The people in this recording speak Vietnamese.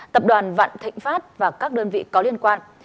tập đoàn vạn thịnh pháp và các đơn vị có liên quan